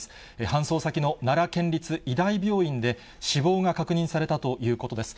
搬送先の奈良県立医大病院で、死亡が確認されたということです。